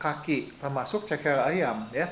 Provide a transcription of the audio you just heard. kaki termasuk cekera ayam